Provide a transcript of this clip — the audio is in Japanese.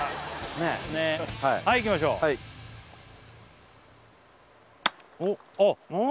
ねえはいいきましょうはいおっあっうん？